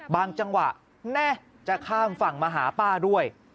จังหวะจะข้ามฝั่งมาหาป้าด้วย